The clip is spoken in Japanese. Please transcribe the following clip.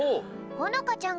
ほのかちゃん。